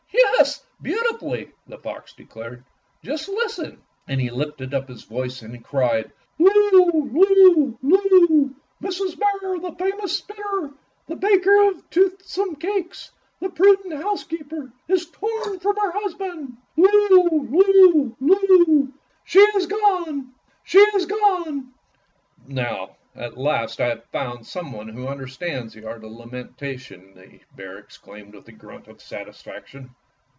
"Yes, beautifully," the fox declared. 136 Fairy Tale Foxes "Just listen." And he lifted up his voice and cried: "Loo, loo, loo! Mrs. Bear, the famous spinner, the baker of toothsome cakes, the prudent housekeeper, is torn from her hus band! Loo, loo, loo! she is gone, she is gone!" "Now at last I have found some one who understands the art of lamentation," the bear exclaimed with a grunt of satisfaction.